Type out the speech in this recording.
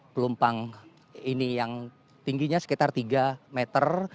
pelumpang ini yang tingginya sekitar tiga meter